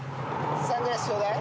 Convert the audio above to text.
サングラスちょうだい。